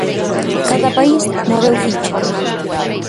Cada país moveu ficha.